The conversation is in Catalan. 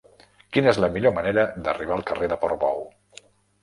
Quina és la millor manera d'arribar al carrer de Portbou?